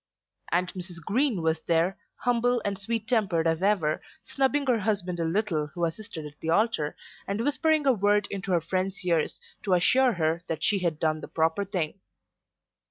And Mrs. Green was there, humble and sweet tempered as ever, snubbing her husband a little who assisted at the altar, and whispering a word into her friend's ears to assure her that she had done the proper thing.